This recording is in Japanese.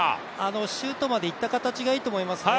シュートまでいった形がいいと思いますね。